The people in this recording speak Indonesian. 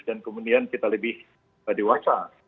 dan kemudian kita lebih dewasa